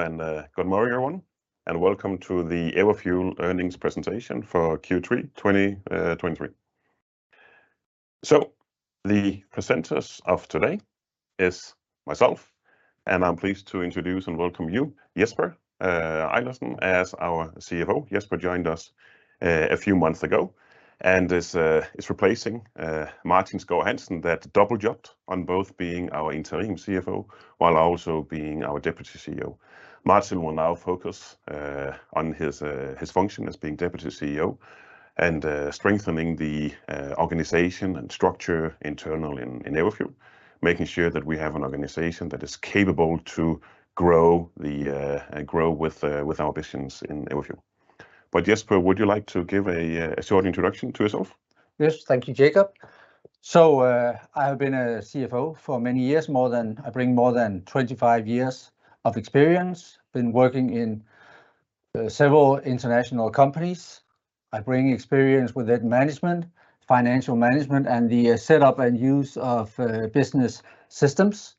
Hello, and good morning, everyone, and welcome to the Everfuel earnings presentation for Q3 2023. So the presenters of today is myself, and I'm pleased to introduce and welcome you, Jesper Ejlersen, as our CFO. Jesper joined us a few months ago, and is replacing Martin Skov Hansen, that double jobbed on both being our interim CFO while also being our Deputy CEO. Martin will now focus on his function as being Deputy CEO and strengthening the organization and structure internal in Everfuel, making sure that we have an organization that is capable to grow with our visions in Everfuel. But Jesper, would you like to give a short introduction to yourself? Yes. Thank you, Jacob. So, I have been a CFO for many years. I bring more than 25 years of experience, been working in several international companies. I bring experience with debt management, financial management, and the setup and use of business systems.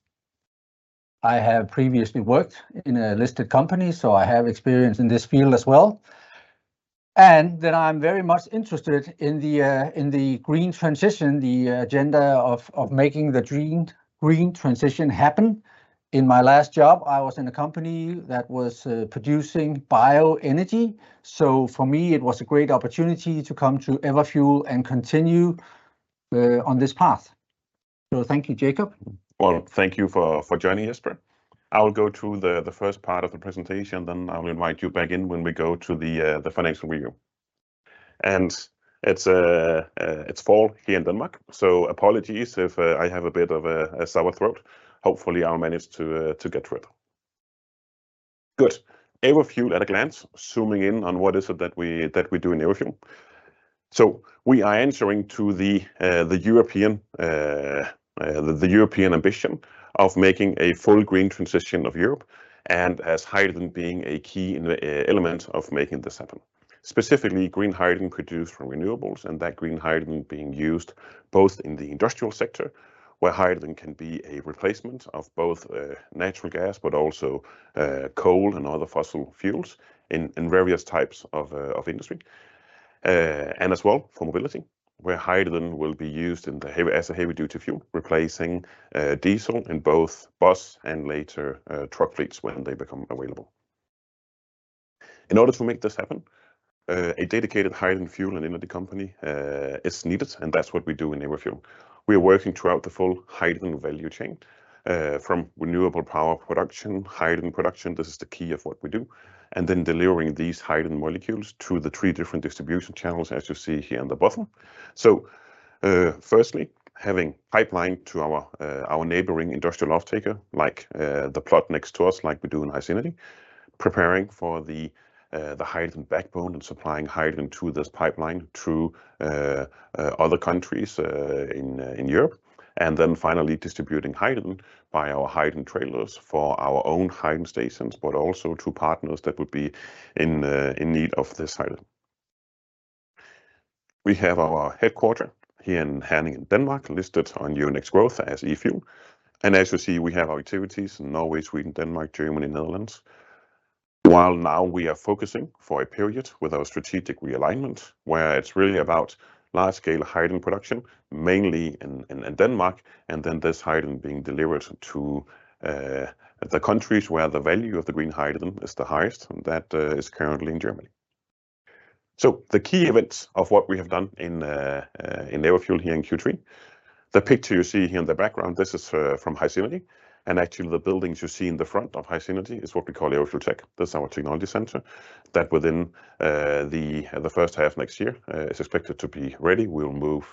I have previously worked in a listed company, so I have experience in this field as well. And then I'm very much interested in the green transition, the agenda of making the green transition happen. In my last job, I was in a company that was producing bioenergy, so for me it was a great opportunity to come to Everfuel and continue on this path. So thank you, Jacob. Well, thank you for joining, Jesper. I will go through the first part of the presentation, then I will invite you back in when we go to the financial review. It's fall here in Denmark, so apologies if I have a bit of a sore throat. Hopefully I'll manage to get through it. Good. Everfuel at a glance. Zooming in on what it is that we do in Everfuel. So we are answering to the European ambition of making a full green transition of Europe, and as hydrogen being a key element of making this happen. Specifically, green hydrogen produced from renewables, and that green hydrogen being used both in the industrial sector, where hydrogen can be a replacement of both natural gas, but also coal and other fossil fuels in various types of industry, and as well for mobility, where hydrogen will be used as a heavy-duty fuel, replacing diesel in both bus and later truck fleets when they become available. In order to make this happen, a dedicated hydrogen fuel and energy company is needed, and that's what we do in Everfuel. We are working throughout the full hydrogen value chain, from renewable power production, hydrogen production, this is the key of what we do, and then delivering these hydrogen molecules to the three different distribution channels, as you see here on the bottom. So, firstly, having pipeline to our, our neighboring industrial offtaker, like, the plot next to us, like we do in HySynergy, preparing for the, the hydrogen backbone and supplying hydrogen to this pipeline through, other countries, in, in Europe, and then finally distributing hydrogen by our hydrogen trailers for our own hydrogen stations, but also to partners that would be in, in need of this hydrogen. We have our headquarters here in Herning, Denmark, listed on Euronext Growth as EFUEL. And as you see, we have our activities in Norway, Sweden, Denmark, Germany, Netherlands. While now we are focusing for a period with our strategic realignment, where it's really about large-scale hydrogen production, mainly in Denmark, and then this hydrogen being delivered to the countries where the value of the green hydrogen is the highest, and that is currently in Germany. So the key events of what we have done in Everfuel here in Q3, the picture you see here in the background, this is from HySynergy, and actually the buildings you see in the front of HySynergy is what we call Everfuel Tech. That's our technology center, that within the first half of next year is expected to be ready. We will move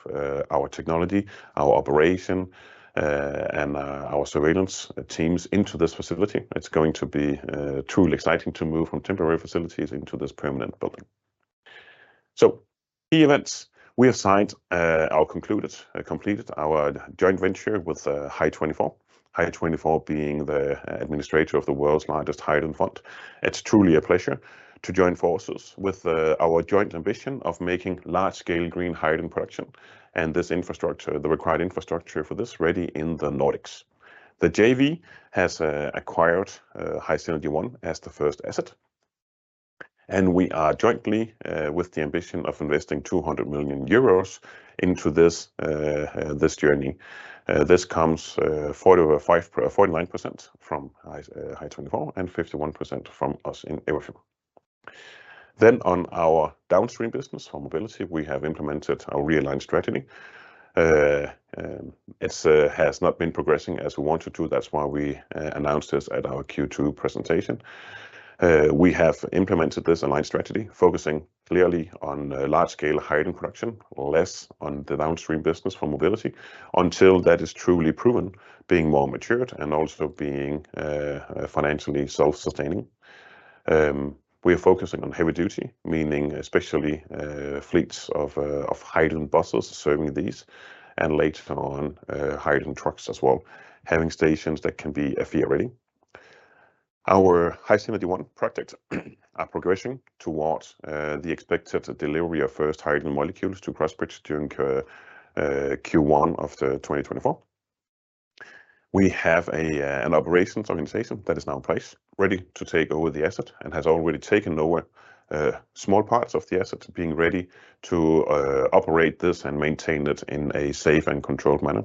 our technology, our operation, and our surveillance teams into this facility. It's going to be truly exciting to move from temporary facilities into this permanent building. So, key events. We have signed or concluded completed our joint venture with Hy24. Hy24 being the administrator of the world's largest hydrogen fund. It's truly a pleasure to join forces with our joint ambition of making large-scale green hydrogen production and this infrastructure, the required infrastructure for this, ready in the Nordics. The JV has acquired HySynergy One as the first asset, and we are jointly with the ambition of investing 200 million euros into this journey. This comes 49% from Hy24, and 51% from us in Everfuel. Then on our downstream business, for mobility, we have implemented our realigned strategy. It has not been progressing as we wanted to. That's why we announced this at our Q2 presentation. We have implemented this aligned strategy, focusing clearly on large-scale hydrogen production, less on the downstream business for mobility, until that is truly proven, being more matured and also being financially self-sustaining. We are focusing on heavy duty, meaning especially fleets of hydrogen buses, serving these, and later on hydrogen trucks as well, having stations that can be FCEV ready. Our HySynergy One project are progressing towards the expected delivery of first hydrogen molecules to Crossbridge during Q1 of 2024. We have an operations organization that is now in place, ready to take over the asset, and has already taken over small parts of the asset, being ready to operate this and maintain it in a safe and controlled manner.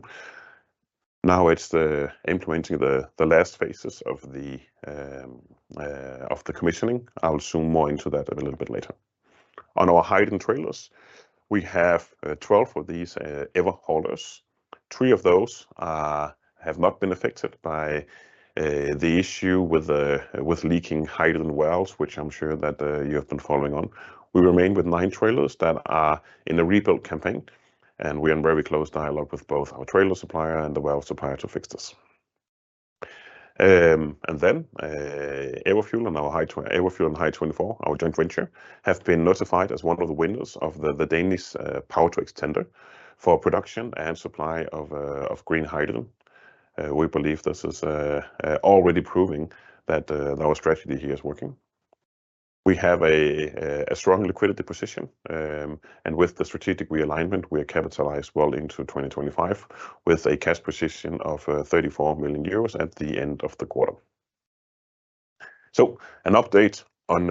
Now it's implementing the last phases of the commissioning. I will zoom more into that a little bit later. On our hydrogen trailers, we have 12 of these Everhaulers. Three of those have not been affected by the issue with leaking hydrogen wells, which I'm sure that you have been following on. We remain with nine trailers that are in the rebuild campaign, and we are in very close dialogue with both our trailer supplier and the well supplier to fix this. And then, Everfuel and our Hy24, Everfuel and Hy24, our joint venture, have been notified as one of the winners of the Danish Power-to-X tender for production and supply of green hydrogen. We believe this is already proving that our strategy here is working. We have a strong liquidity position, and with the strategic realignment, we are capitalized well into 2025, with a cash position of 34 million euros at the end of the quarter. So an update on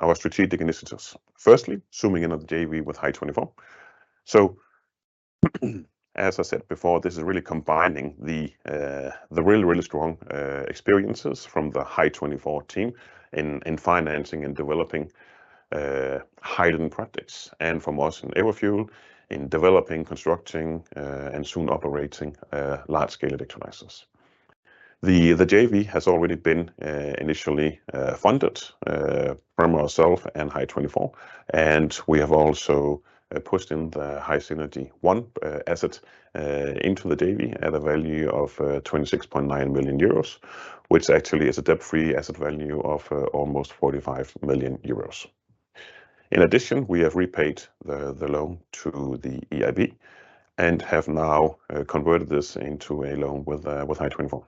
our strategic initiatives. Firstly, zooming in on the JV with Hy24. So, as I said before, this is really combining the really strong experiences from the Hy24 team in financing and developing hydrogen projects, and from us in Everfuel in developing, constructing, and soon operating large-scale electrolyzers. The JV has already been initially funded from ourselves and Hy24, and we have also pushed in the HySynergy one asset into the JV at a value of 26.9 million euros, which actually is a debt-free asset value of almost 45 million euros. In addition, we have repaid the loan to the EIB and have now converted this into a loan with Hy24.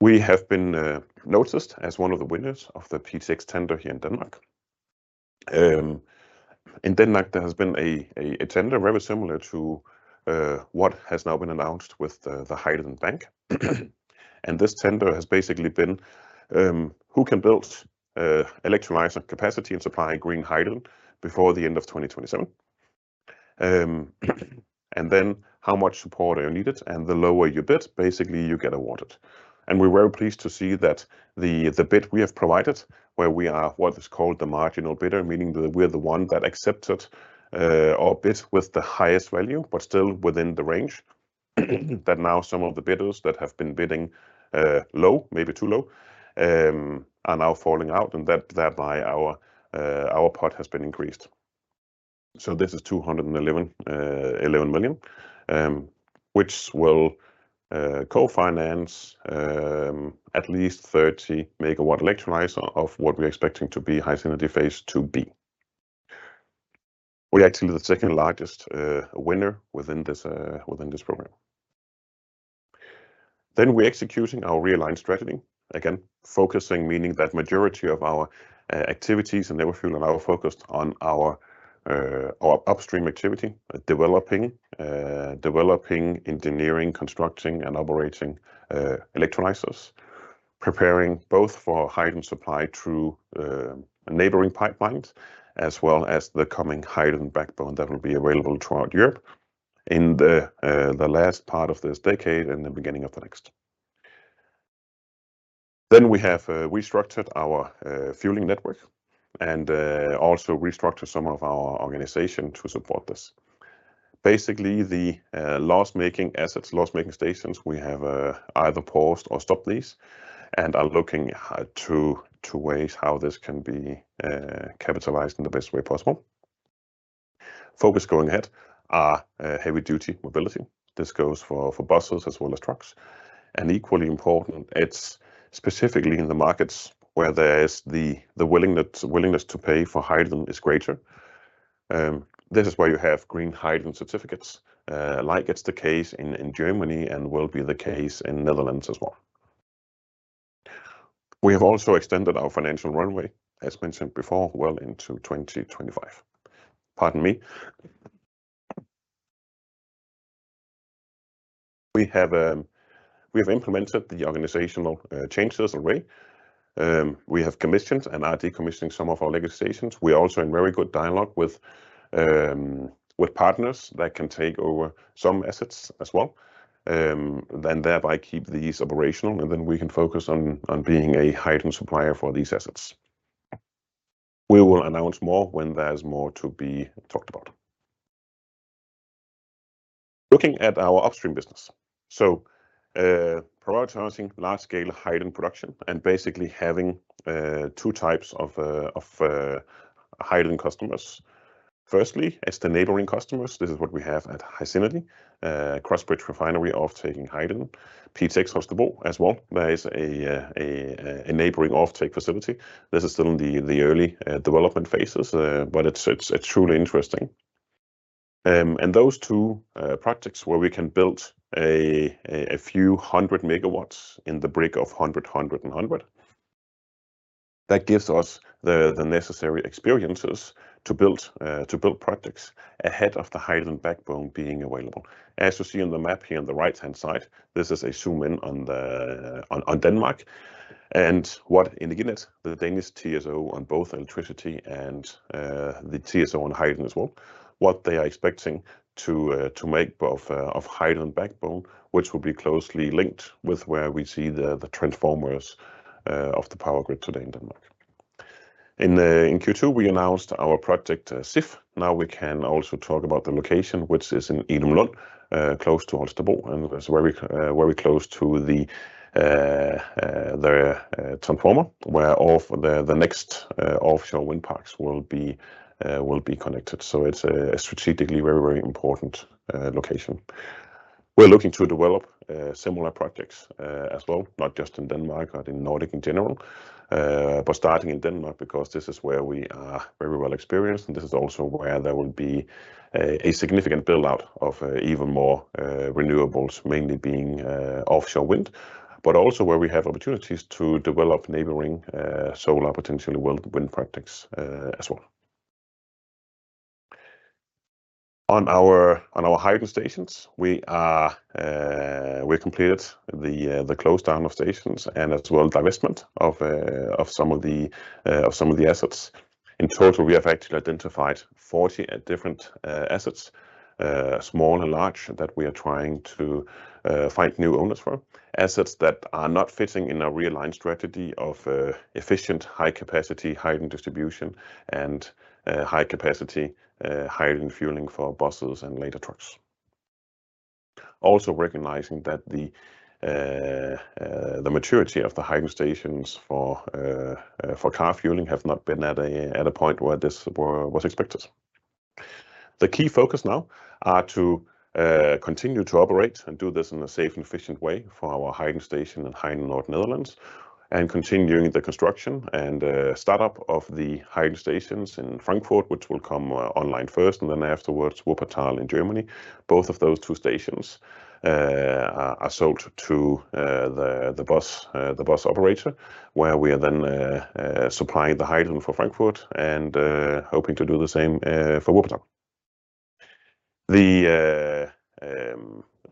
We have been noticed as one of the winners of the P2X tender here in Denmark. In Denmark, there has been a tender very similar to what has now been announced with the Hydrogen Bank. This tender has basically been who can build electrolyzer capacity and supply green hydrogen before the end of 2027? And then how much support are you needed, and the lower you bid, basically, you get awarded. We're very pleased to see that the bid we have provided, where we are what is called the marginal bidder, meaning that we're the one that accepted our bid with the highest value, but still within the range, that now some of the bidders that have been bidding low, maybe too low, are now falling out, and that thereby our pot has been increased. So this is 211 million, which will co-finance at least 30 MW electrolyzer of what we're expecting to be HySynergy Phase IIB. We're actually the second-largest winner within this program. Then we're executing our realigned strategy. Again, focusing, meaning that majority of our activities and the fueling are now focused on our upstream activity, developing, engineering, constructing, and operating electrolyzers. Preparing both for hydrogen supply through neighboring pipelines, as well as the coming hydrogen backbone that will be available throughout Europe in the last part of this decade and the beginning of the next. Then we have restructured our fueling network and also restructured some of our organization to support this. Basically, the loss-making assets, loss-making stations, we have either paused or stopped these and are looking at two ways how this can be capitalized in the best way possible. Focus going ahead are heavy-duty mobility. This goes for buses as well as trucks. Equally important, it's specifically in the markets where there is the willingness to pay for hydrogen is greater. This is where you have green hydrogen certificates, like it's the case in Germany, and will be the case in Netherlands as well. We have also extended our financial runway, as mentioned before, well into 2025. Pardon me. We have implemented the organizational changes already. We have commissioned and are decommissioning some of our legacy stations. We are also in very good dialogue with partners that can take over some assets as well, then thereby keep these operational, and then we can focus on being a hydrogen supplier for these assets. We will announce more when there's more to be talked about. Looking at our upstream business. So, prior to announcing large-scale hydrogen production and basically having two types of hydrogen customers. Firstly, it's the neighboring customers. This is what we have at HySynergy, Crossbridge Refinery offtaking hydrogen, P2X asset as well. There is a neighboring offtake facility. This is still in the early development phases, but it's truly interesting. And those two projects where we can build a few hundred MW in the break of hundred, hundred and hundred. That gives us the necessary experiences to build projects ahead of the hydrogen backbone being available. As you see on the map here on the right-hand side, this is a zoom in on Denmark, and what Energinet, the Danish TSO on both electricity and the TSO on hydrogen as well, what they are expecting to make both of hydrogen backbone, which will be closely linked with where we see the transformers of the power grid today in Denmark. In Q2, we announced our Project Sif. Now we can also talk about the location, which is in Idomlund close to Aalborg, and that's very very close to the transformer, where all of the next offshore wind parks will be connected. So it's a strategically very very important location. We're looking to develop similar projects as well, not just in Denmark, but in Nordic in general. But starting in Denmark, because this is where we are very well experienced, and this is also where there will be a significant build-out of even more renewables, mainly being offshore wind, but also where we have opportunities to develop neighboring solar, potentially wind projects as well. On our hydrogen stations, we have completed the close down of stations and as well, divestment of some of the assets. In total, we have actually identified 40 different assets, small and large, that we are trying to find new owners for. Assets that are not fitting in our realigned strategy of efficient, high-capacity hydrogen distribution and high-capacity hydrogen fueling for buses and later trucks. Also recognizing that the maturity of the hydrogen stations for car fueling have not been at a point where this was expected. The key focus now are to continue to operate and do this in a safe and efficient way for our hydrogen station in Heinenoord, Netherlands, and continuing the construction and startup of the hydrogen stations in Frankfurt, which will come online first, and then afterwards, Wuppertal in Germany. Both of those two stations are sold to the bus operator, where we are then supplying the hydrogen for Frankfurt and hoping to do the same for Wuppertal.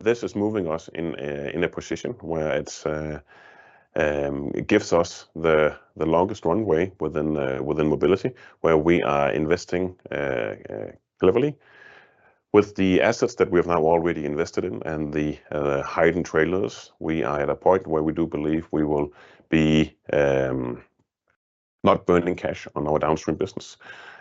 This is moving us into a position where it gives us the longest runway within mobility, where we are investing cleverly. With the assets that we have now already invested in and the hydrogen trailers, we are at a point where we do believe we will be not burning cash on our downstream business,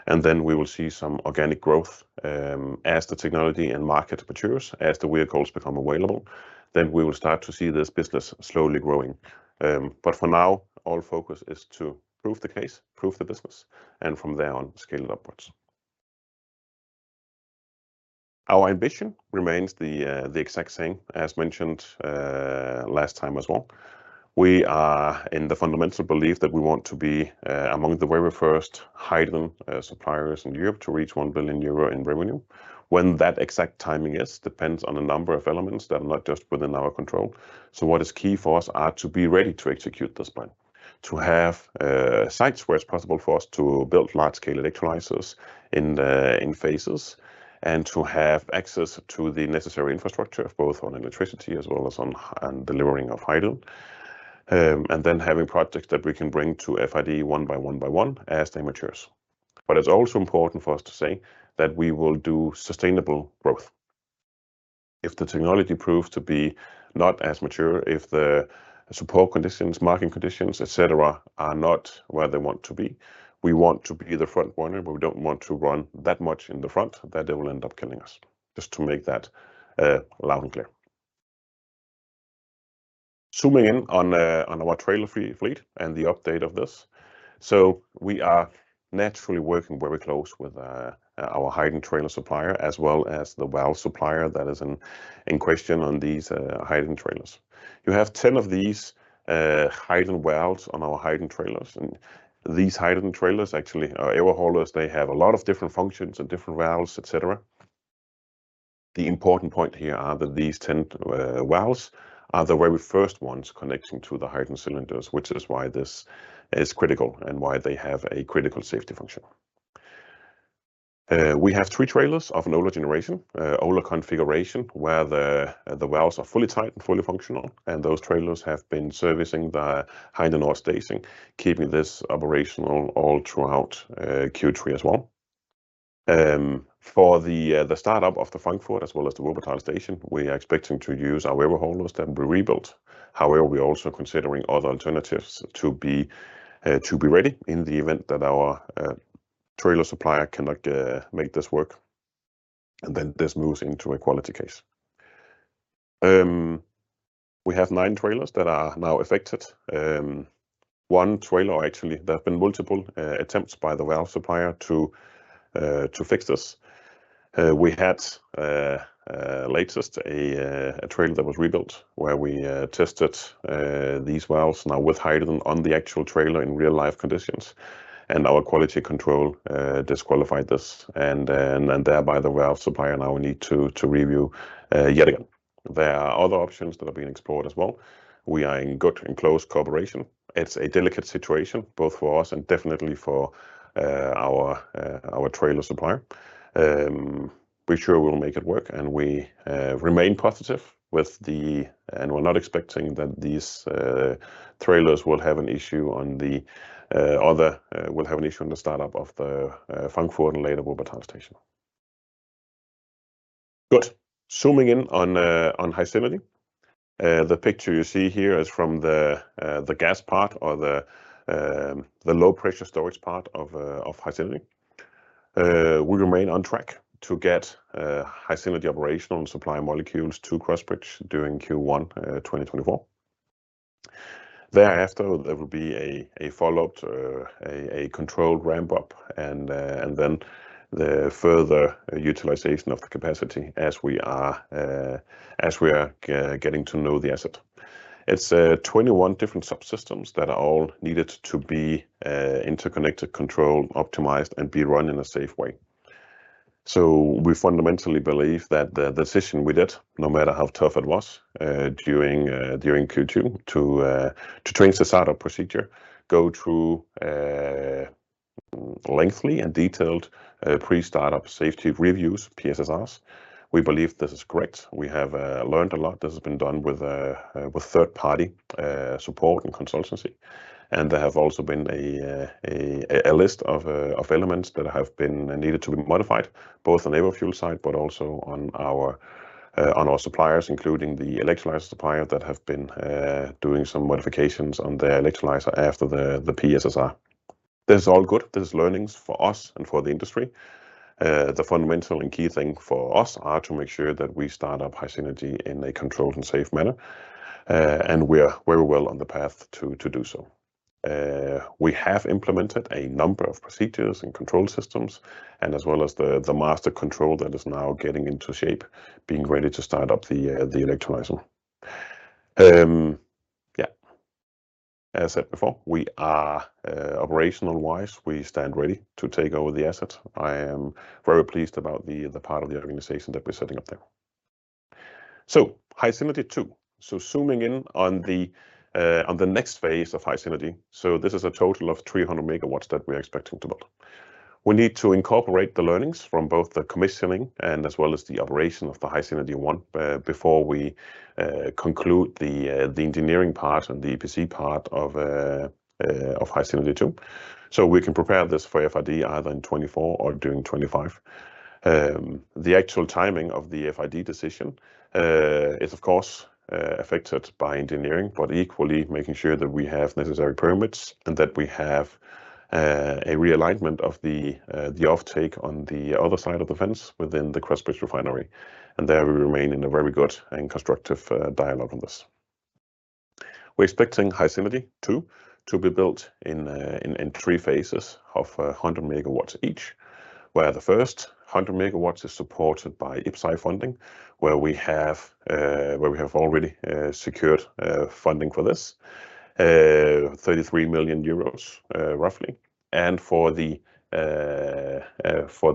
and then we will see some organic growth as the technology and market matures, as the vehicles become available, then we will start to see this business slowly growing. But for now, all focus is to prove the case, prove the business, and from there on, scale it upwards. Our ambition remains the exact same as mentioned last time as well. We are in the fundamental belief that we want to be among the very first hydrogen suppliers in Europe to reach 1 billion euro in revenue. When that exact timing is depends on a number of elements that are not just within our control. So what is key for us are to be ready to execute this plan. To have sites where it's possible for us to build large-scale electrolyzers in phases, and to have access to the necessary infrastructure, both on electricity as well as on delivering of hydrogen. And then having projects that we can bring to FID one by one as they matures. But it's also important for us to say that we will do sustainable growth. If the technology proves to be not as mature, if the support conditions, market conditions, et cetera, are not where they want to be, we want to be the front runner, but we don't want to run that much in the front that it will end up killing us, just to make that loud and clear. Zooming in on our trailer-free fleet and the update of this. We are naturally working very close with our hydrogen trailer supplier, as well as the valve supplier that is in question on these hydrogen trailers. You have 10 of these hydrogen valves on our hydrogen trailers, and these hydrogen trailers actually are air holders. They have a lot of different functions and different valves, et cetera. The important point here are that these 10, valves are the very first ones connecting to the hydrogen cylinders, which is why this is critical and why they have a critical safety function. We have three trailers of an older generation, older configuration, where the, the valves are fully tight and fully functional, and those trailers have been servicing the hydrogen storage station, keeping this operational all throughout, Q3 as well. For the, the startup of the Frankfurt, as well as the Wuppertal station, we are expecting to use our trailers that we rebuilt. However, we are also considering other alternatives to be, to be ready in the event that our, trailer supplier cannot, make this work, and then this moves into a quality case. We have nine trailers that are now affected. One trailer, actually, there have been multiple attempts by the valve supplier to fix this. We had the latest a trailer that was rebuilt, where we tested these valves now with hydrogen on the actual trailer in real-life conditions, and our quality control disqualified this, and then, and thereby the valve supplier now need to review yet again.... There are other options that are being explored as well. We are in good, in close cooperation. It's a delicate situation, both for us and definitely for our trailer supplier. We're sure we'll make it work, and we remain positive with the- and we're not expecting that these trailers will have an issue on the other, will have an issue on the start-up of the Frankfurt and later Wuppertal station. Good. Zooming in on HySynergy. The picture you see here is from the gas part or the low-pressure storage part of HySynergy. We remain on track to get HySynergy operational and supply molecules to Crossbridge during Q1 2024. Thereafter, there will be a controlled ramp-up, and then the further utilization of the capacity as we are getting to know the asset. It's 21 different subsystems that are all needed to be interconnected, controlled, optimized, and be run in a safe way. So we fundamentally believe that the decision we did, no matter how tough it was, during Q2, to change the start-up procedure, go through lengthy and detailed pre-start-up safety reviews, PSSRs. We believe this is correct. We have learned a lot. This has been done with third-party support and consultancy, and there have also been a list of elements that have been needed to be modified, both on Everfuel side, but also on our suppliers, including the electrolyzer supplier that have been doing some modifications on the electrolyzer after the PSSR. This is all good. There is learnings for us and for the industry. The fundamental and key thing for us are to make sure that we start up HySynergy in a controlled and safe manner, and we are very well on the path to do so. We have implemented a number of procedures and control systems, and as well as the master control that is now getting into shape, being ready to start up the Electrolyzer. Yeah, as I said before, we are operational-wise, we stand ready to take over the asset. I am very pleased about the part of the organization that we're setting up there. So HySynergy 2. So zooming in on the next phase of HySynergy. So this is a total of 300 MW that we are expecting to build. We need to incorporate the learnings from both the commissioning and as well as the operation of the HySynergy 1 before we conclude the engineering part and the EPC part of HySynergy 2, so we can prepare this for FID, either in 2024 or during 2025. The actual timing of the FID decision is of course affected by engineering, but equally, making sure that we have necessary permits and that we have a realignment of the offtake on the other side of the fence within the Crossbridge refinery, and there we remain in a very good and constructive dialogue on this. We're expecting HySynergy 2 to be built in three phases of 100 MW each, where the first 100 MW is supported by IPCEI funding, where we have already secured funding for this 33 million euros, roughly. And for the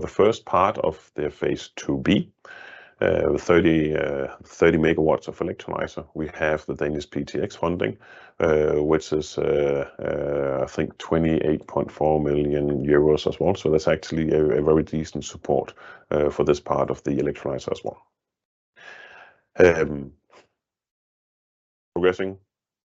first part of the phase IIB, 30 MW of electrolyzer, we have the Danish PTX funding, which is I think 28.4 million euros as well. So that's actually a very decent support for this part of the electrolyzer as well. Progressing,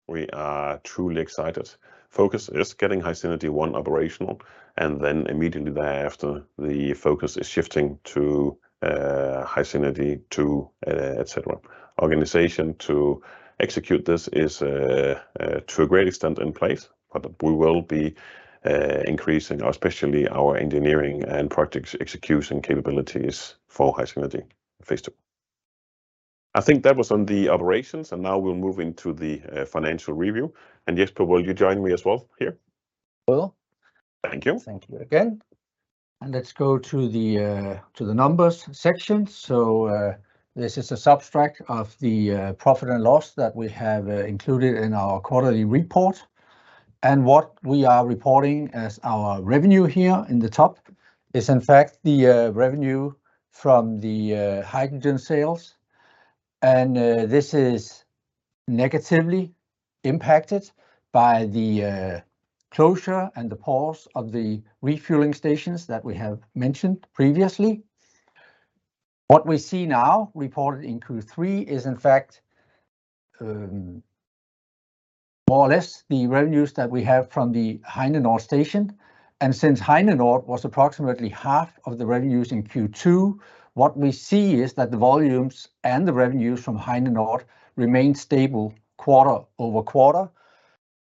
we are truly excited. Focus is getting HySynergy 1 operational, and then immediately thereafter, the focus is shifting to HySynergy 2, et cetera. Organization to execute this is, to a great extent in place, but we will be increasing, especially our engineering and project execution capabilities for HySynergy Phase II. I think that was on the operations, and now we'll move into the financial review. Jesper, will you join me as well here? Well. Thank you. Thank you again. Let's go to the numbers section. So, this is a subset of the profit and loss that we have included in our quarterly report. What we are reporting as our revenue here in the top is, in fact, the revenue from the hydrogen sales, and this is negatively impacted by the closure and the pause of the refueling stations that we have mentioned previously. What we see now, reported in Q3, is in fact, more or less the revenues that we have from the Heinenoord Station. And since Heinenoord was approximately half of the revenues in Q2, what we see is that the volumes and the revenues from Heinenoord remain stable quarter-over-quarter.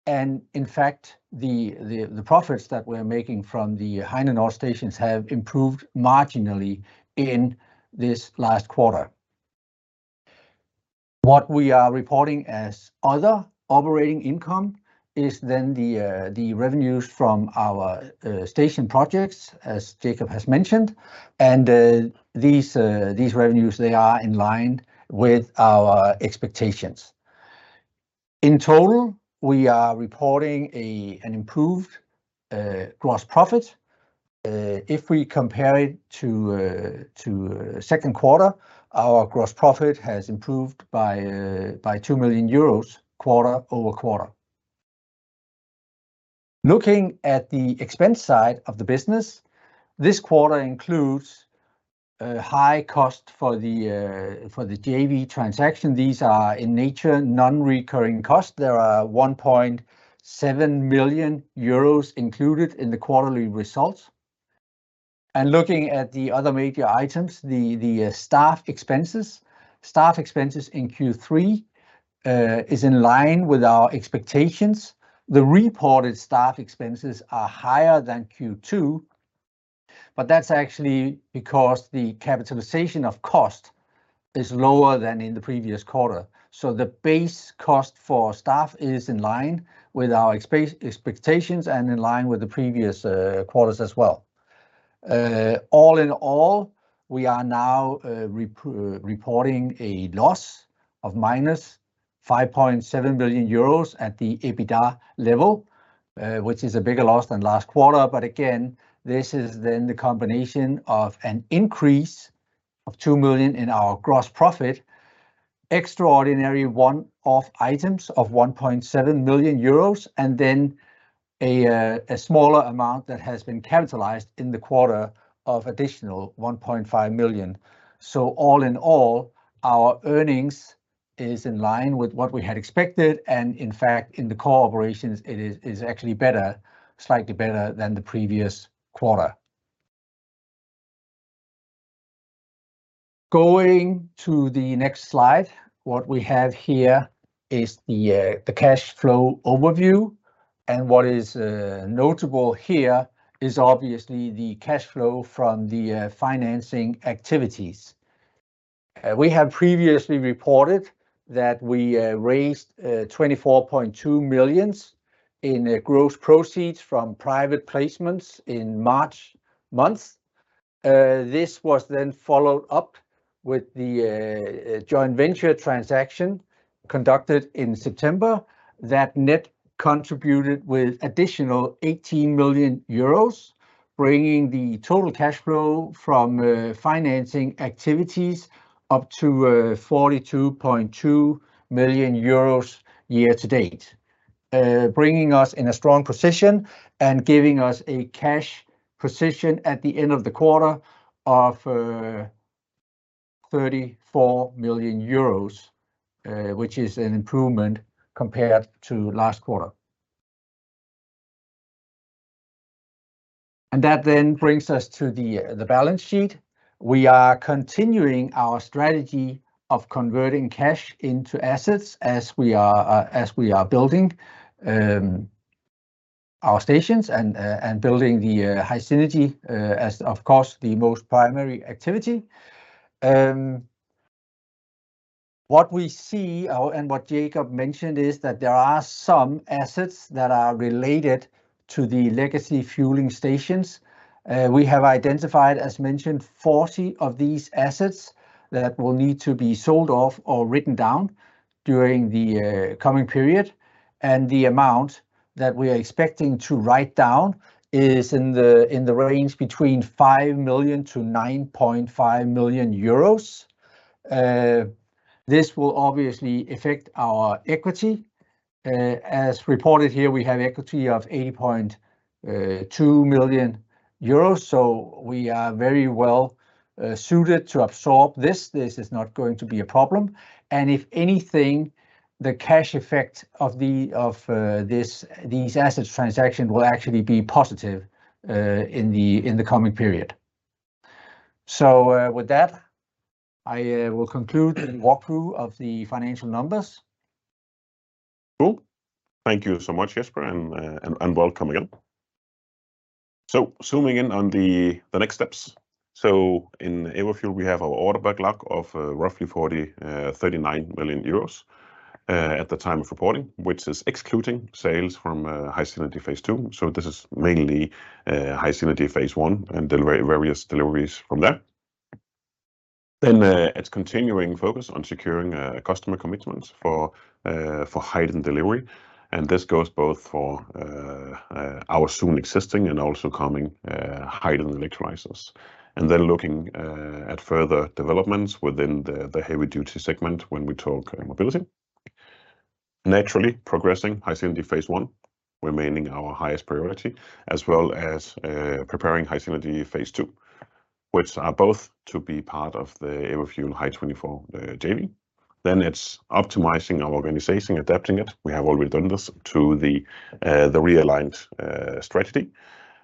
In fact, the profits that we're making from the Heinenoord stations have improved marginally in this last quarter. What we are reporting as other operating income is then the revenues from our station projects, as Jacob has mentioned, and these revenues, they are in line with our expectations. In total, we are reporting an improved gross profit. If we compare it to second quarter, our gross profit has improved by 2 million euros, quarter-over-quarter. Looking at the expense side of the business, this quarter includes a high cost for the JV transaction. These are, in nature, non-recurring costs. There are 1.7 million euros included in the quarterly results. And looking at the other major items, the staff expenses. Staff expenses in Q3 is in line with our expectations. The reported staff expenses are higher than Q2, but that's actually because the capitalization of cost is lower than in the previous quarter. So the base cost for staff is in line with our expectations and in line with the previous quarters as well. All in all, we are now reporting a loss of -5.7 billion euros at the EBITDA level, which is a bigger loss than last quarter. But again, this is then the combination of an increase of 2 million in our gross profit, extraordinary one-off items of 1.7 million euros, and then a smaller amount that has been capitalized in the quarter of additional 1.5 million. So all in all, our earnings is in line with what we had expected, and in fact, in the core operations, it is actually better, slightly better than the previous quarter. Going to the next slide, what we have here is the cash flow overview. What is notable here is obviously the cash flow from the financing activities. We have previously reported that we raised 24.2 million in gross proceeds from private placements in March month. This was then followed up with the joint venture transaction conducted in September, that net contributed with additional 18 million euros, bringing the total cash flow from financing activities up to 42.2 million euros year to date. Bringing us in a strong position and giving us a cash position at the end of the quarter of 34 million euros, which is an improvement compared to last quarter. That then brings us to the balance sheet. We are continuing our strategy of converting cash into assets as we are building our stations and building the HySynergy, as of course, the most primary activity. What we see and what Jacob mentioned is that there are some assets that are related to the legacy fueling stations. We have identified, as mentioned, 40 of these assets that will need to be sold off or written down during the coming period. The amount that we are expecting to write down is in the range between 5 million-9.5 million euros. This will obviously affect our equity. As reported here, we have equity of 80.2 million euros, so we are very well suited to absorb this. This is not going to be a problem, and if anything, the cash effect of these assets transaction will actually be positive in the coming period. With that, I will conclude the walkthrough of the financial numbers. Cool. Thank you so much, Jesper, and welcome again. So zooming in on the next steps. So in Everfuel, we have our order backlog of roughly 39 million euros at the time of reporting, which is excluding sales from HySynergy Phase II. So this is mainly HySynergy Phase I, and various deliveries from there. Then it's continuing focus on securing customer commitments for hydrogen delivery, and this goes both for our soon existing and also coming hydrogen electrolyzers. And then looking at further developments within the heavy-duty segment when we talk e-mobility. Naturally progressing HySynergy Phase I, remaining our highest priority, as well as preparing HySynergy Phase II, which are both to be part of the Everfuel Hy24 JV. Then it's optimizing our organization, adapting it—we have already done this—to the realigned strategy.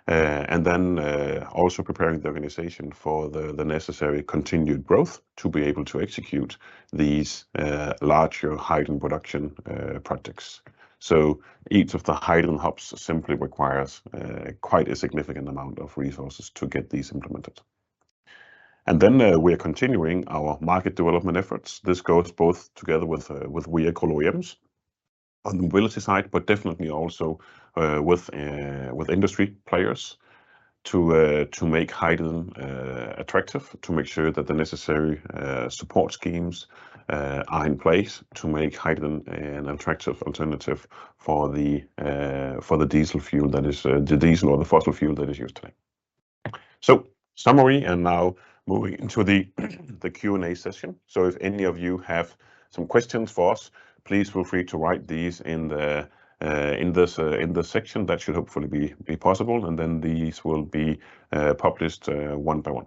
And then also preparing the organization for the necessary continued growth to be able to execute these larger hydrogen production projects. So each of the hydrogen hubs simply requires quite a significant amount of resources to get these implemented. And then we are continuing our market development efforts. This goes both together with vehicle OEMs on mobility side, but definitely also with industry players... to make hydrogen attractive, to make sure that the necessary support schemes are in place to make hydrogen an attractive alternative for the diesel fuel, that is, the diesel or the fossil fuel that is used today. So, summary, and now moving into the Q&A session. So if any of you have some questions for us, please feel free to write these in the, in this, in the section. That should hopefully be possible, and then these will be published one by one.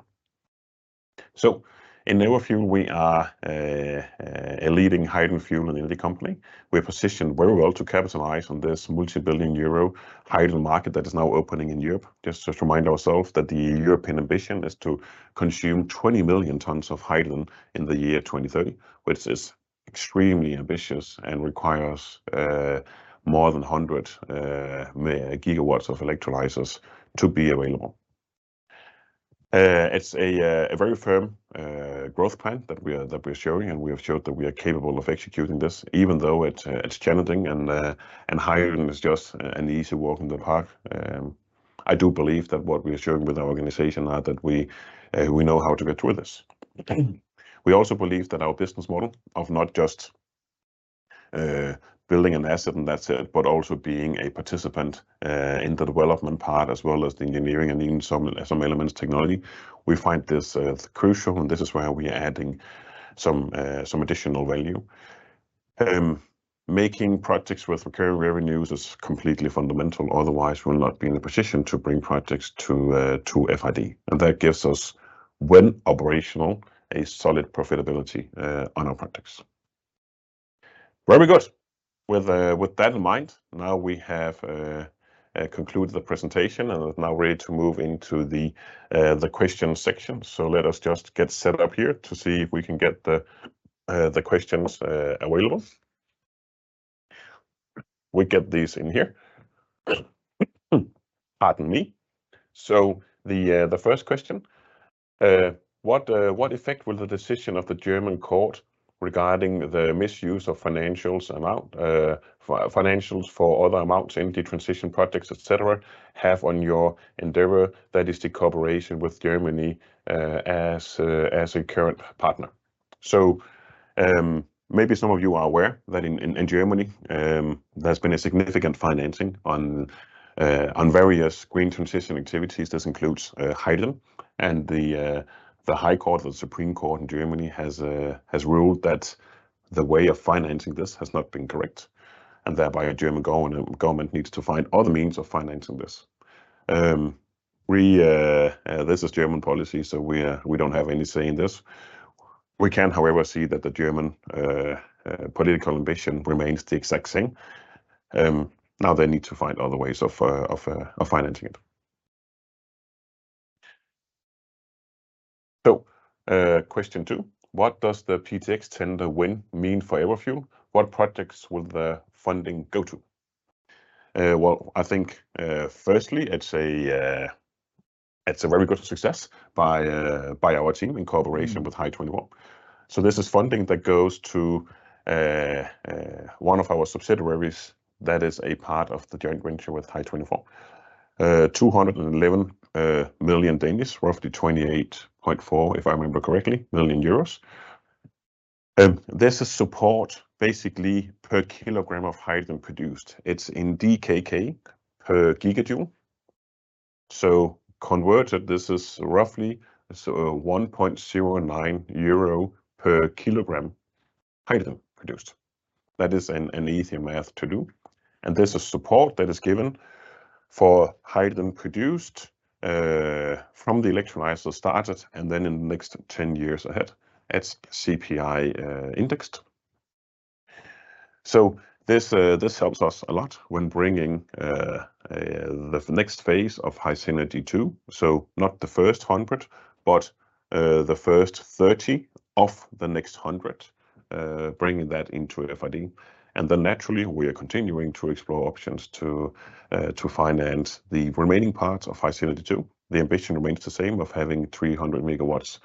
So in Everfuel, we are a leading hydrogen fuel and energy company. We are positioned very well to capitalize on this multi-billion EUR hydrogen market that is now opening in Europe. Just to remind ourselves that the European ambition is to consume 20 million tons of hydrogen in the year 2030, which is extremely ambitious and requires more than 100 MW of electrolyzers to be available. It's a very firm growth plan that we are showing, and we have showed that we are capable of executing this, even though it's challenging, and hydrogen is just an easy walk in the park. I do believe that what we are showing with our organization are that we know how to get through this. We also believe that our business model of not just building an asset, and that's it, but also being a participant in the development part, as well as the engineering and even some elements technology. We find this crucial, and this is where we are adding some additional value. Making projects with recurring revenues is completely fundamental, otherwise, we'll not be in a position to bring projects to FID. That gives us, when operational, a solid profitability on our projects. Very good! With that in mind, now we have concluded the presentation, and we're now ready to move into the question section. So let us just get set up here to see if we can get the questions available. We get these in here. Pardon me. So the first question: What effect will the decision of the German court regarding the misuse of financials amount, financials for other amounts in the transition projects, et cetera, have on your endeavor, that is, the cooperation with Germany as a current partner? Maybe some of you are aware that in Germany, there's been a significant financing on various green transition activities. This includes hydrogen and the High Court, the Supreme Court in Germany has ruled that the way of financing this has not been correct, and thereby a German government needs to find other means of financing this. This is German policy, so we don't have any say in this. We can, however, see that the German political ambition remains the exact same. Now they need to find other ways of financing it. So, question two: What does the PTX tender win mean for Everfuel? What projects will the funding go to? Well, I think, firstly, it's a very good success by our team in cooperation with Hy24. So this is funding that goes to one of our subsidiaries that is a part of the joint venture with Hy24. 211 million, roughly 28.4 million, if I remember correctly. This is support basically per kilogram of hydrogen produced. It's in DKK per gigajoule. So converted, this is roughly, so 1.09 euro per kg hydrogen produced. That is an easy math to do. And this is support that is given for hydrogen produced from the electrolyzer started, and then in the next ten years ahead, it's CPI indexed. So this helps us a lot when bringing the next phase of HySynergy2, so not the first 100, but the first 30 of the next 100, bringing that into FID. Then naturally, we are continuing to explore options to finance the remaining parts of HySynergy2. The ambition remains the same of having 300 MW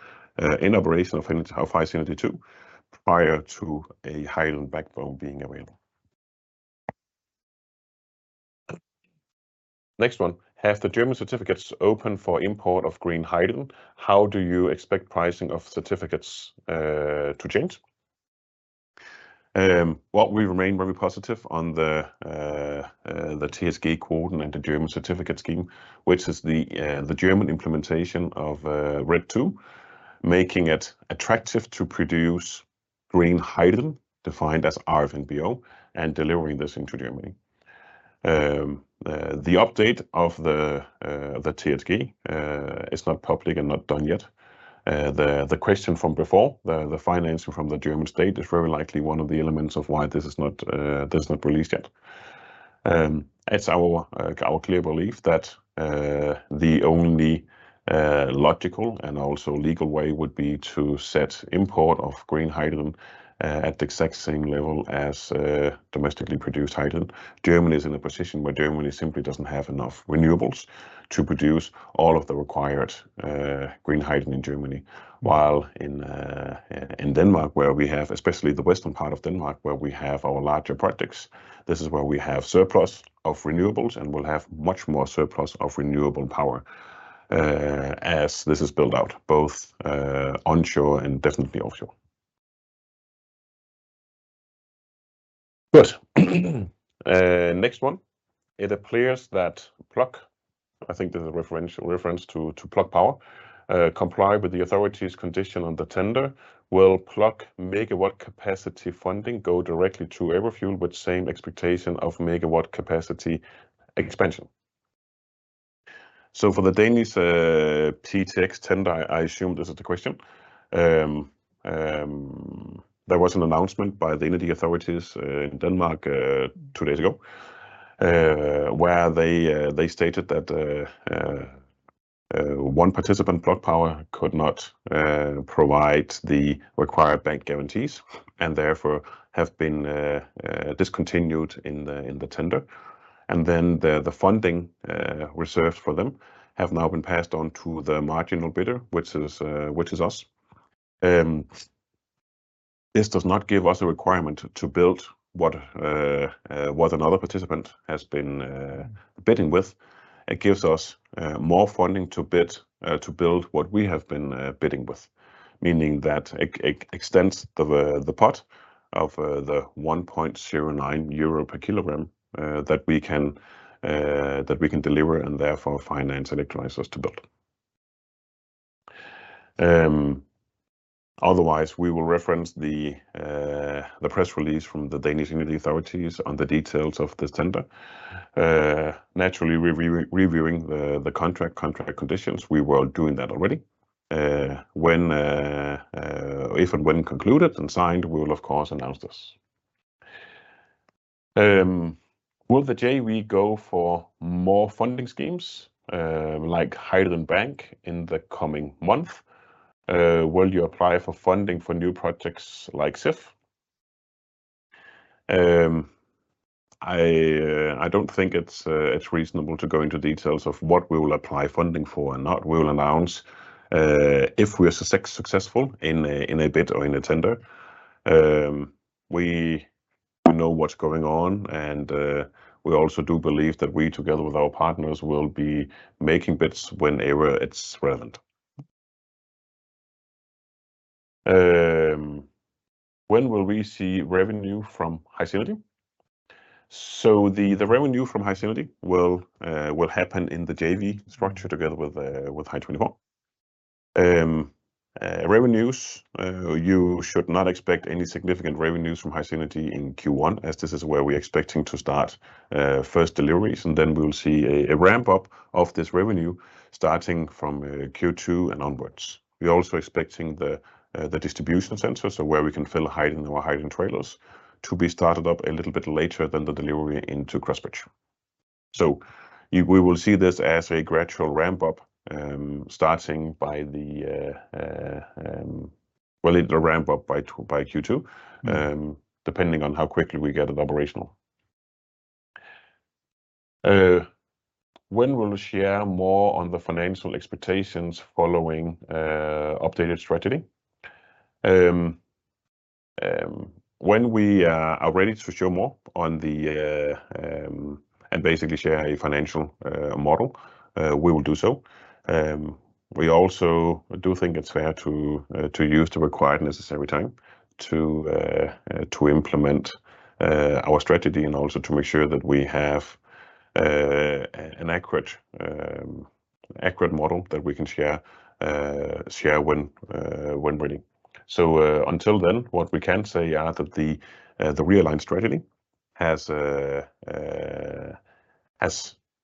in operation of HySynergy2, prior to a hydrogen backbone being available. Next one: Have the German certificates opened for import of green hydrogen? How do you expect pricing of certificates to change? Well, we remain very positive on the TSG quote and the German certificate scheme, which is the German implementation of RED II, making it attractive to produce green hydrogen, defined as RFNBO, and delivering this into Germany. The update of the TSG is not public and not done yet. The question from before, the financing from the German state, is very likely one of the elements of why this is not, this is not released yet. It's our clear belief that the only logical and also legal way would be to set import of green hydrogen at the exact same level as domestically produced hydrogen. Germany is in a position where Germany simply doesn't have enough renewables to produce all of the required green hydrogen in Germany. While in Denmark, where we have, especially the western part of Denmark, where we have our larger projects, this is where we have surplus of renewables and will have much more surplus of renewable power. As this is built out, both onshore and definitely offshore. Good. Next one: It appears that Plug, I think this is a referential reference to, to Plug Power, comply with the authorities condition on the tender, will Plug MW capacity funding go directly to Everfuel with same expectation of MW capacity expansion? So for the Danish PTX tender, I assume this is the question. There was an announcement by the energy authorities in Denmark two days ago, where they stated that one participant, Plug Power, could not provide the required bank guarantees, and therefore have been discontinued in the tender. And then the funding reserved for them have now been passed on to the marginal bidder, which is us. This does not give us a requirement to build what another participant has been bidding with. It gives us more funding to bid to build what we have been bidding with. Meaning that it extends the pot of the 1.09 euro per kg that we can deliver, and therefore finance electrolyzers to build. Otherwise, we will reference the press release from the Danish energy authorities on the details of this tender. Naturally, we're re-reviewing the contract conditions. We were doing that already. When, if and when concluded and signed, we will of course announce this. Will the JV go for more funding schemes like Hydrogen Bank in the coming month? Will you apply for funding for new projects like Sif? I don't think it's reasonable to go into details of what we will apply funding for and not. We will announce if we are successful in a bid or in a tender. We know what's going on, and we also do believe that we, together with our partners, will be making bids whenever it's relevant. When will we see revenue from HySynergy? So the revenue from HySynergy will happen in the JV structure together with Hy24. Revenues, you should not expect any significant revenues from HySynergy in Q1, as this is where we're expecting to start first deliveries, and then we'll see a ramp up of this revenue, starting from Q2 and onwards. We're also expecting the distribution centers, so where we can fill hydrogen or hydrogen trailers, to be started up a little bit later than the delivery into Crossbridge. So we will see this as a gradual ramp up. Well, it'll ramp up by Q2, depending on how quickly we get it operational. When will you share more on the financial expectations following updated strategy? When we are ready to show more on the and basically share a financial model, we will do so. We also do think it's fair to use the required necessary time to implement our strategy, and also to make sure that we have an accurate model that we can share when ready. So, until then, what we can say are that the realigned strategy has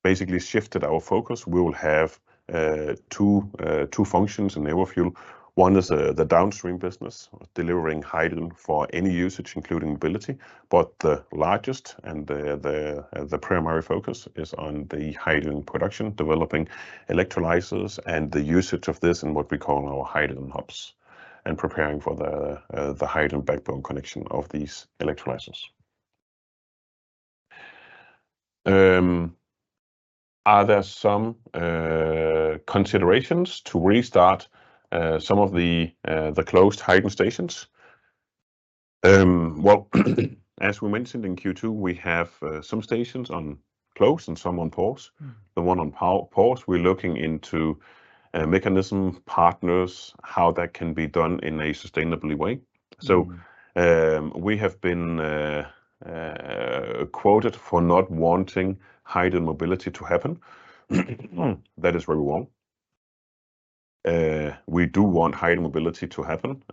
basically shifted our focus. We will have two functions in Everfuel. One is the downstream business, delivering hydrogen for any usage, including mobility. But the largest and the primary focus is on the hydrogen production, developing electrolyzers and the usage of this in what we call our hydrogen hubs, and preparing for the hydrogen backbone connection of these electrolyzers. Are there some considerations to restart some of the closed hydrogen stations? Well, as we mentioned in Q2, we have some stations on close and some on pause. The one on pause, we're looking into mechanism, partners, how that can be done in a sustainable way. So, we have been quoted for not wanting hydrogen mobility to happen. That is very wrong. We do want hydrogen mobility to happen.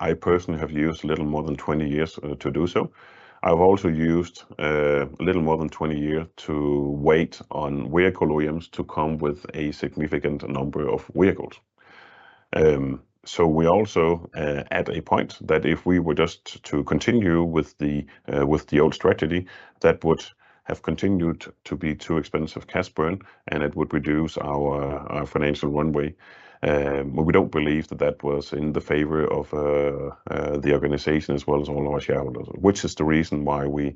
I personally have used a little more than 20 years to do so. I've also used a little more than 20 years to wait on vehicle OEMs to come with a significant number of vehicles. So we also at a point that if we were just to continue with the old strategy, that would have continued to be too expensive cash burn, and it would reduce our financial runway. We don't believe that that was in the favor of the organization as well as all our shareholders, which is the reason why we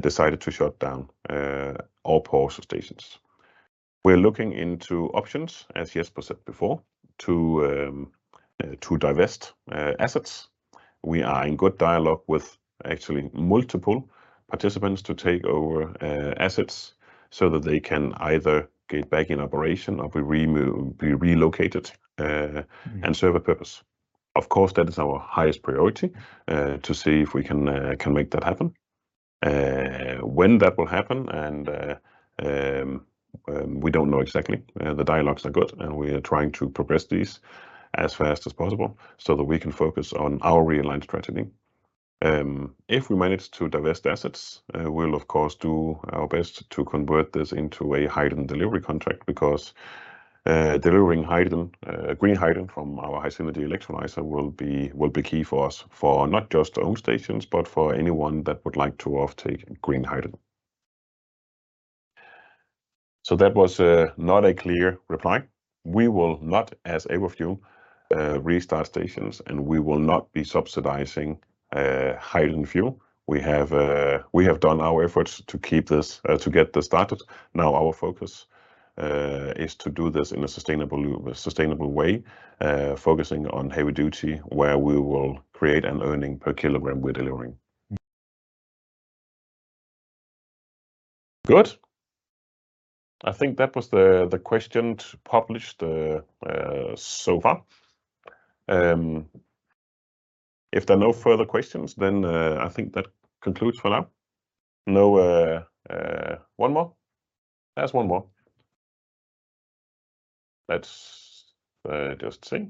decided to shut down all HRS stations. We're looking into options, as Jesper said before, to divest assets. We are in good dialogue with actually multiple participants to take over assets so that they can either get back in operation or be relocated and serve a purpose. Of course, that is our highest priority to see if we can make that happen. When that will happen, and we don't know exactly. The dialogues are good, and we are trying to progress these as fast as possible so that we can focus on our realigned strategy. If we manage to divest assets, we'll of course do our best to convert this into a hydrogen delivery contract, because delivering hydrogen, green hydrogen from our HyCity electrolyzer will be key for us, for not just the home stations, but for anyone that would like to off-take green hydrogen. So that was not a clear reply. We will not, as Everfuel, restart stations, and we will not be subsidizing hydrogen fuel. We have done our efforts to keep this, to get this started. Now our focus is to do this in a sustainable way, focusing on heavy duty, where we will create an earning per kilogram we're delivering. Good. I think that was the questions published so far. If there are no further questions, then I think that concludes for now. No... One more? There's one more. Let's just see.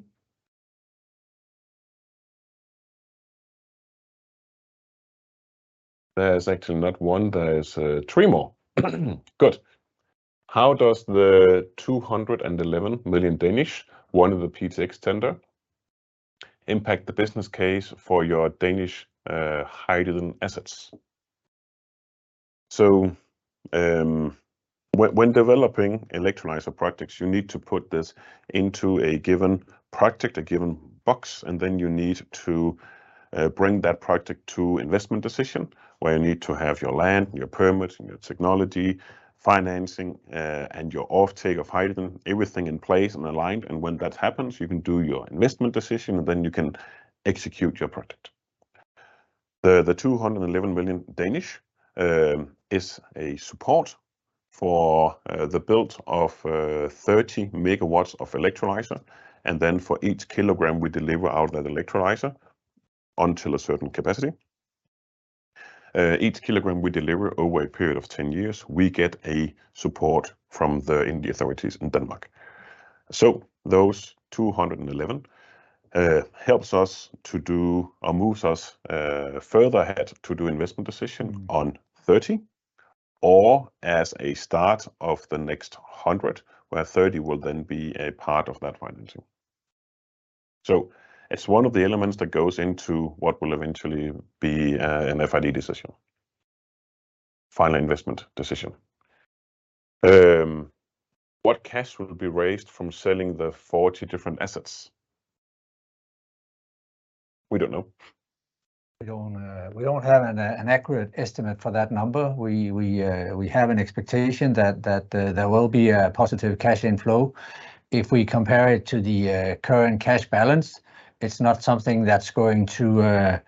There's actually not one, there is three more. Good. How does the 211 million in the PTX tender impact the business case for your Danish hydrogen assets? So, when developing electrolyzer projects, you need to put this into a given project, a given box, and then you need to bring that project to investment decision, where you need to have your land, your permits, and your technology, financing, and your off-take of hydrogen, everything in place and aligned. And when that happens, you can do your investment decision, and then you can execute your project. The 211 million Danish is a support for the build of 30 MW of electrolyzer, and then for each kilogram we deliver out of that electrolyzer, until a certain capacity, each kilogram we deliver over a period of 10 years, we get a support from the authorities in Denmark. So those 211 helps us to do, or moves us further ahead to do investment decision on 30, or as a start of the next 100, where 30 will then be a part of that financing. So it's one of the elements that goes into what will eventually be an FID decision, final investment decision. What cash will be raised from selling the 40 different assets? We don't know. We don't have an accurate estimate for that number. We have an expectation that there will be a positive cash inflow. If we compare it to the current cash balance, it's not something that's going to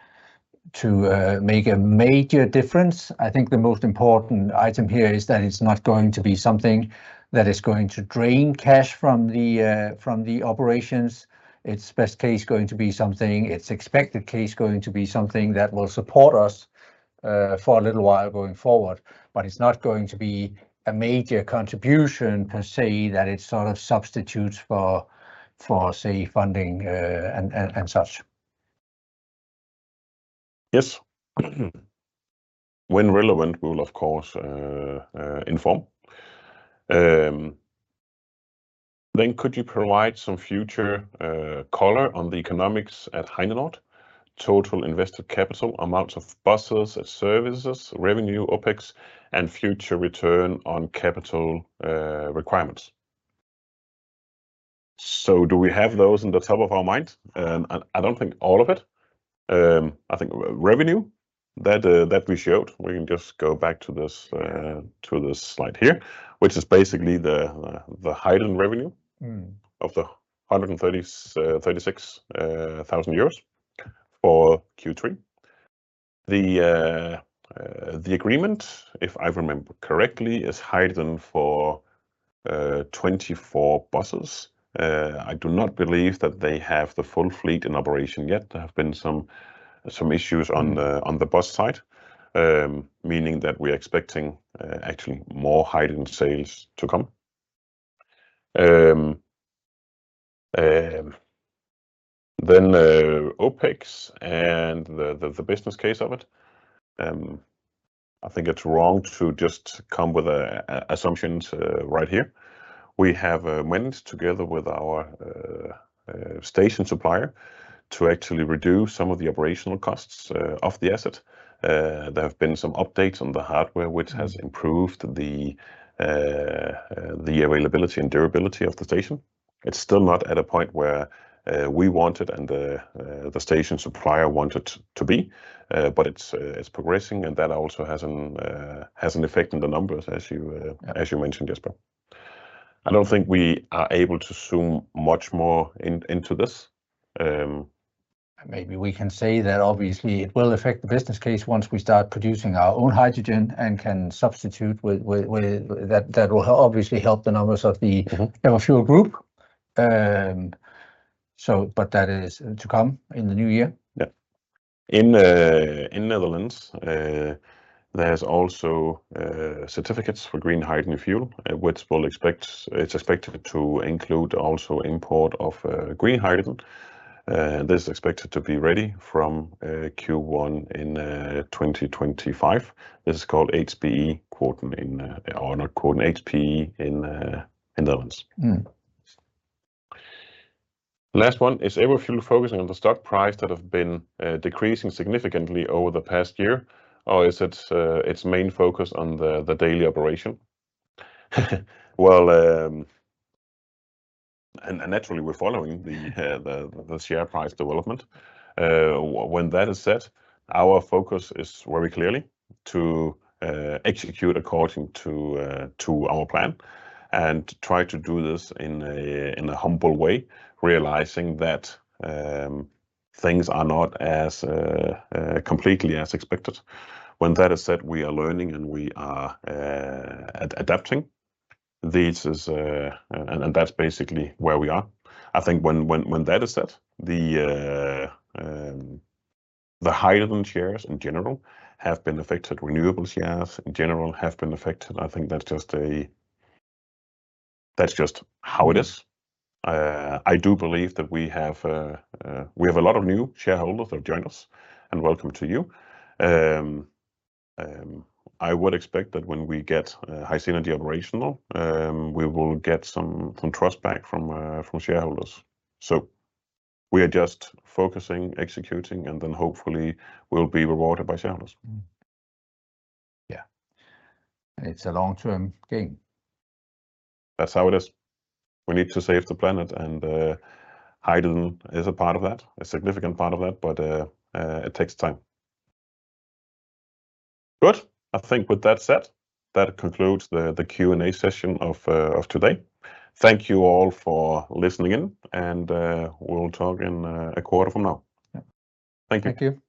make a major difference. I think the most important item here is that it's not going to be something that is going to drain cash from the operations. It's best case going to be something, it's expected case going to be something that will support us for a little while going forward, but it's not going to be a major contribution, per se, that it sort of substitutes for, say, funding, and such. Yes. When relevant, we'll of course inform. Then could you provide some future color on the economics at HySynergy? Total invested capital, amounts of buses and services, revenue, OpEx, and future return on capital requirements. So do we have those in the top of our mind? I don't think all of it. I think revenue, that we showed, we can just go back to this to this slide here, which is basically the the hydrogen revenue- Mm. of the 136,000 euros for Q3. The agreement, if I remember correctly, is hydrogen for 24 buses. I do not believe that they have the full fleet in operation yet. There have been some issues on the bus side, meaning that we're expecting actually more hydrogen sales to come. Then, OpEx and the business case of it, I think it's wrong to just come with assumptions right here. We have went together with our station supplier to actually reduce some of the operational costs of the asset. There have been some updates on the hardware, which has improved the availability and durability of the station. It's still not at a point where we want it and the station supplier want it to be, but it's progressing, and that also has an effect on the numbers, as you mentioned, Jesper... I don't think we are able to zoom much more in, into this. Maybe we can say that obviously it will affect the business case once we start producing our own hydrogen and can substitute with... That will obviously help the numbers of the- Mm-hmm Everfuel Group. So, but that is to come in the new year. Yeah. In Netherlands, there's also certificates for green hydrogen fuel, which it's expected to include also import of green hydrogen. This is expected to be ready from Q1 in 2025. This is called HBE quota, or not quota, HBE in Netherlands. Mm. Last one, is Everfuel focusing on the stock price that have been decreasing significantly over the past year, or is it its main focus on the daily operation? Well, and naturally, we're following the share price development. When that is set, our focus is very clearly to execute according to our plan, and try to do this in a humble way, realizing that things are not as completely as expected. When that is said, we are learning and we are adapting. This is. And that's basically where we are. I think when that is said, the hydrogen shares in general have been affected. Renewable shares in general have been affected. I think that's just. That's just how it is. I do believe that we have a lot of new shareholders that have joined us, and welcome to you. I would expect that when we get HySynergy into operational, we will get some trust back from shareholders. So we are just focusing, executing, and then hopefully we'll be rewarded by shareholders. Yeah, it's a long-term game. That's how it is. We need to save the planet, and hydrogen is a part of that, a significant part of that, but it takes time. Good. I think with that said, that concludes the Q&A session of today. Thank you all for listening in, and we'll talk in a quarter from now. Yeah. Thank you. Thank you.